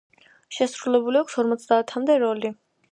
შესრულებული აქვს ორმოცდაათამდე როლი.